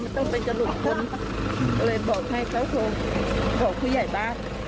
มันต้องเป็นกระดูกคนเลยบอกให้เขาโทรบอกผู้ใหญ่ป่ะ